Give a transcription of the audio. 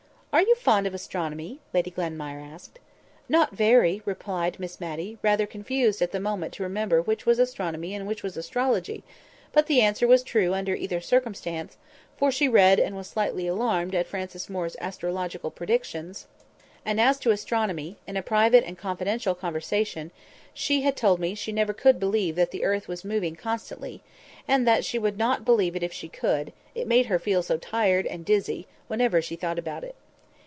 "Are you fond of astronomy?" Lady Glenmire asked. "Not very," replied Miss Matty, rather confused at the moment to remember which was astronomy and which was astrology—but the answer was true under either circumstance, for she read, and was slightly alarmed at Francis Moore's astrological predictions; and, as to astronomy, in a private and confidential conversation, she had told me she never could believe that the earth was moving constantly, and that she would not believe it if she could, it made her feel so tired and dizzy whenever she thought about it.